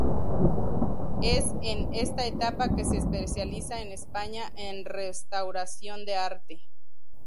Es en esta etapa que se especializa en España en restauración de arte.